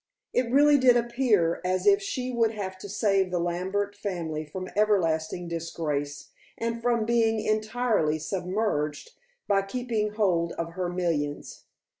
It really did appear as if she would have to save the Lambert family from ever lasting disgrace, and from being entirely submerged, by keeping hold of her millions.